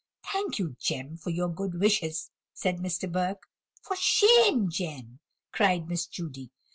"Thank you, Jem, for your good wishes," said Mr. Burke. "For shame, Jem!" cried Miss Judy.